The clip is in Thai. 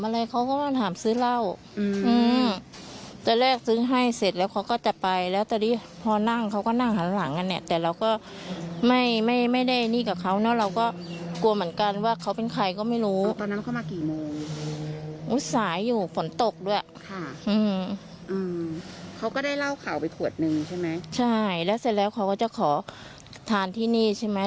แล้วเสร็จแล้วเขาก็จะขอทานที่นี่ใช่มั้ย